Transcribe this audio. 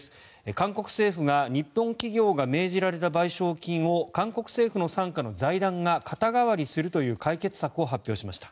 韓国政府が日本企業が命じられた賠償金を韓国政府傘下の財団が肩代わりするという解決策を発表しました。